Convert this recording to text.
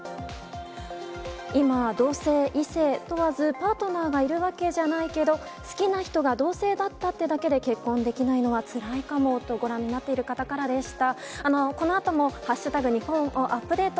今、同性、異性問わずパートナーがいるわけじゃないけど、好きな人が同性だったってだけで結婚できないのはつらいかもと、ご覧になっている方からでした。